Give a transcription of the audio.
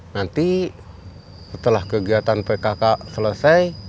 nanti setelah kegiatan pkk selesai